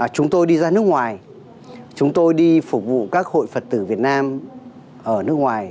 chúng tôi đi ra nước ngoài chúng tôi đi phục vụ các hội phật tử việt nam ở nước ngoài